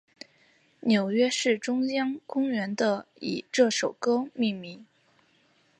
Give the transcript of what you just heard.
纽约市中央公园的以这首歌命名。